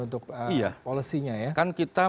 untuk polosinya ya iya kan kita